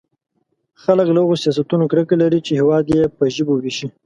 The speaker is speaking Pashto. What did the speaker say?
خلک له هغو سیاستونو کرکه لري چې هېواد يې په ژبو وېشي.